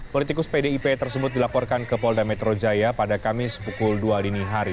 politikus pdip tersebut dilaporkan ke polda metro jaya pada kamis pukul dua dini hari